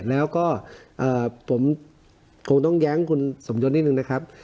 แล้วก็ผมคงต้องแย้งคุณสมยศนิดนึงนะครับ